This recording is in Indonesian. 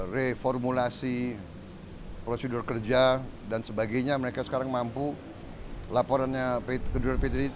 reformulasi prosedur kerja dan sebagainya mereka sekarang mampu laporannya kemudian ptdi delapan